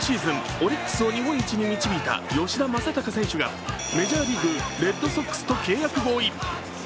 オリックスを日本一に導いた吉田正尚選手がメジャーリーグ・レッドソックスと契約合意。